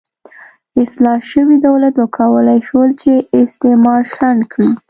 اصلاح شوي دولت وکولای شول چې استعمار شنډ کړي.